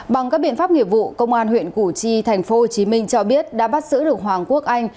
bằng các biện pháp nghiệp vụ công an huyện củ chi tp hcm cho biết đã bắt giữ được hoàng quốc anh